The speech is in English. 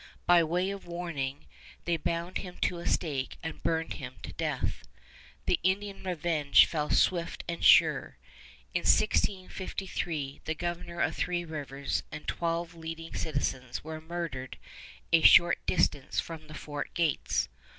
By way of warning, they bound him to a stake and burned him to death. The Indian revenge fell swift and sure. In 1653 the Governor of Three Rivers and twelve leading citizens were murdered a short distance from the fort gates.